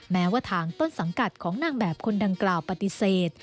แม้ว่าทางต้นสังกัดของนางแบบคนดังกล่าวปฏิเสธ